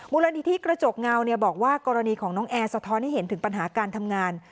มูลนิธิกระจกเงาบอกว่ากรณีของน้องแอร์สะท้อนให้เห็นถึงปัญหาการทำงาน